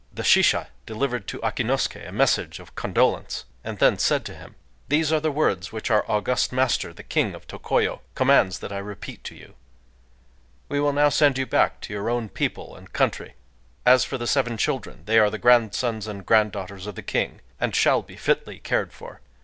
The shisha delivered to Akinosuké a message of condolence, and then said to him:— "These are the words which our august master, the King of Tokoyo, commands that I repeat to you: 'We will now send you back to your own people and country. As for the seven children, they are the grandsons and granddaughters of the King, and shall be fitly cared for.